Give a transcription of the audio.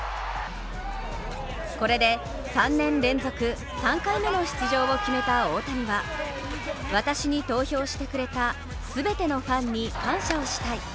これで３年連続３回目の出場を決めた大谷は私に投票してくれた全てのファンに感謝をしたい。